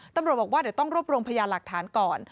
ตำรวจบอกว่าเดี๋ยวต้องรวบรวมพยานหลักฐานก่อน